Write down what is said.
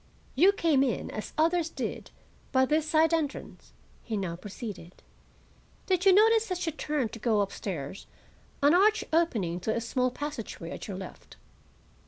"You came in, as others did, by this side entrance," he now proceeded. "Did you notice, as you turned to go up stairs, an arch opening into a small passageway at your left?"